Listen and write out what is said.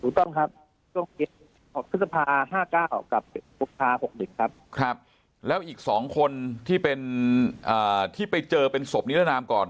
ถูกต้องครับครับครับแล้วอีกสองคนที่เป็นอ่าที่ไปเจอเป็นศพนิรนามก่อน